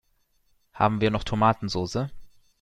Haben wir noch Tomatensoße?